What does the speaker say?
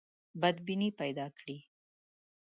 بدبیني پیدا کړي.